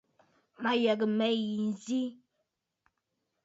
Mə̀ yə̀gə̀ mə̂ yi nzi.